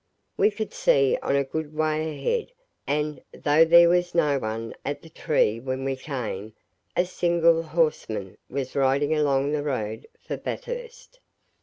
We could see on a good way ahead, and, though there was no one at the tree when we came, a single horseman was riding along the road for Bathurst.